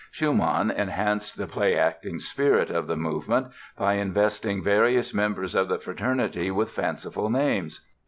Schumann enhanced the play acting spirit of the movement by investing various members of the fraternity with fanciful names.